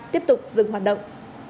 tiếp tục dừng hoạt động